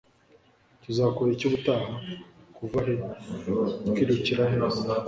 tuzakora iki ubutaha? kuva he? kwirukira he